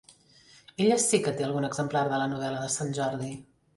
Ella sí que té algun exemplar de la novel·la de Sant Jordi.